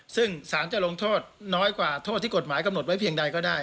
ซึ่งสารจะลงโทษน้อยกว่าโทษที่กฎหมายกำหนดไว้เพียงใดก็ได้